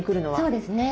そうですね。